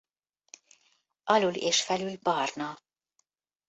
Alul és felül barna.